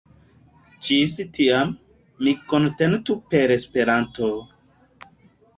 Ĝis tiam, ni kontentu per Esperanto!